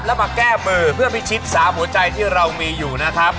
แล้วมาแก้มือเพื่อพิชิต๓หัวใจที่เรามีอยู่นะครับ